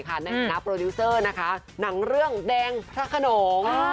เป็นหน้าโปรดิวเซอร์หนังเรื่องแดงพระขนง